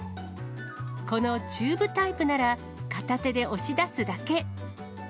このチューブタイプなら、片手で押し出すだけ。